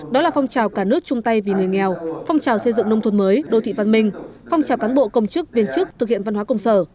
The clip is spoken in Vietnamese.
đó là phong trào cả nước chung tay vì người nghèo phong trào xây dựng nông thuận mới đô thị văn minh phong trào cán bộ công chức viên chức thực hiện văn hóa công sở